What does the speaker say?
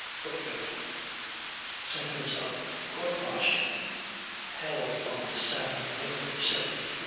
[Footnote: Sentence of Court martial held on the San Domingo, 74.